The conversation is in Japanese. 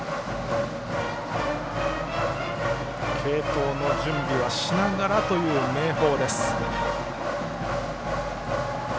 継投の準備をしながらという明豊。